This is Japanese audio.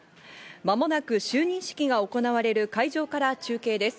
まもなく就任式が行われる会場から中継です。